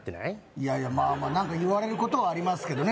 いやいやまあまあ何か言われることはありますけどね